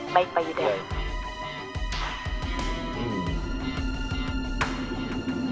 baik pak yuda